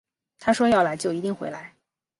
他说要来就一定会来